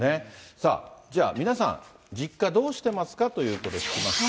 さあ、じゃあ皆さん、実家、どうしてますかということを聞きました。